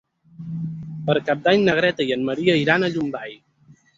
Per Cap d'Any na Greta i en Maria iran a Llombai.